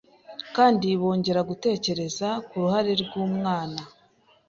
kandi bongera gutekereza ku ruhare rw'Umwana